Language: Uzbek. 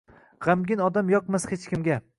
G‘amgin odam yoqmas hech kimga